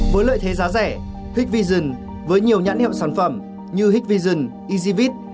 với lợi thế giá rẻ hitvision với nhiều nhãn hiệu sản phẩm như hitvision ezvit